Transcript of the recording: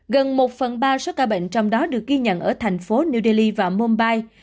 gần một phần ba số ca bệnh trong đó được ghi nhận ở thành phố new delhi và mumbai